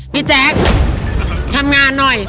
แจ๊คทำงานหน่อย